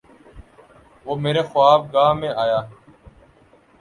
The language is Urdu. وہ میرے خواب گاہ میں آیا